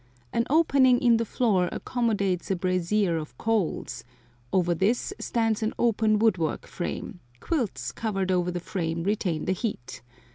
An opening in the floor accommodates a brazier of coals; over this stands an open wood work frame; quilts covered over the frame retain the heat.